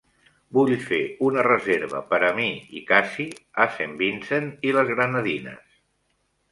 Vull fer una reserva per a mi i Cassie a Saint Vincent i les Grenadines.